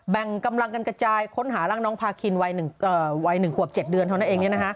แบ่งกำลังกันกระจายค้นหาร่างน้องพาคินวัย๑ขวบ๗เดือนเท่านั้นเอง